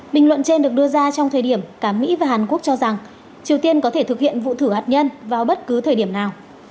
bình luận trên được đưa ra trong thời điểm cả mỹ và hàn quốc cho rằng triều tiên có thể thực hiện vụ thử hạt nhân vào bất cứ thời điểm nào